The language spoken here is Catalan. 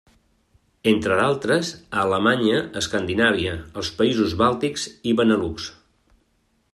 Entre d'altres, a Alemanya, Escandinàvia, els països bàltics i Benelux.